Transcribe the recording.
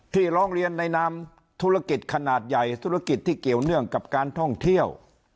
ร้องเรียนในนามธุรกิจขนาดใหญ่ธุรกิจที่เกี่ยวเนื่องกับการท่องเที่ยว